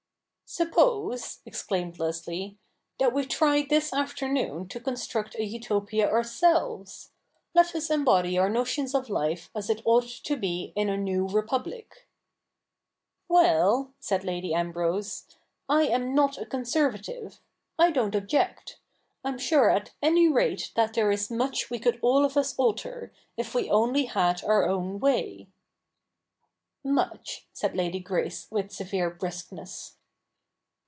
' Suppose,' exclaimed Leslie, 'that we try this afternoon to construct a Utopia ourselves. Let us embodv our notions of life as it ought to be in a new Republic' ' Well,' said Lady Ambrose, ' I am not a Conservative : I don't object. Em sure at any rate that there is much we could ail of us alter, if we only had our own way.' ' Much,' said Lady Grace, with severe briskness.